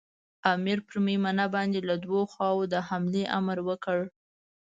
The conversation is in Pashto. امیر پر مېمنه باندې له دوو خواوو د حملې امر وکړ.